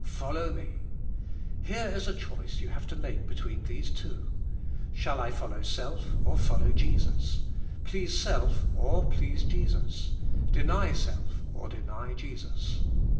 Follow me. Here is a choice you have to make between these two. Shall I follow self or follow Jesus? Please self or please Jesus? Deny self or deny Jesus?